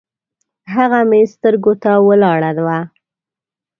هغه مې سترګو ته ولاړه وه